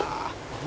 「何？